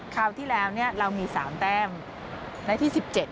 คราวที่แล้วเรามี๓แต้มในที่๑๗